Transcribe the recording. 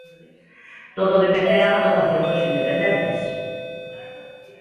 Todo dependerá da votación dos independentes.